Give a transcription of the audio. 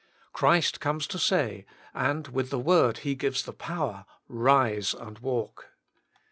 Christ comes to say, and with the word He gives the power, Eise and walk.